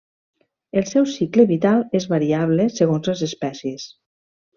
El seu cicle vital és variable segons les espècies.